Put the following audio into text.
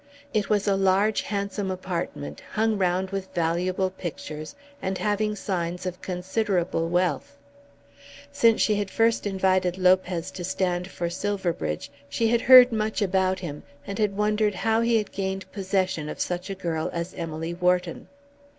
It was a large handsome apartment, hung round with valuable pictures, and having signs of considerable wealth. Since she had first invited Lopez to stand for Silverbridge she had heard much about him, and had wondered how he had gained possession of such a girl as Emily Wharton.